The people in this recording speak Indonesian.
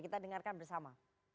kita dengarkan bersama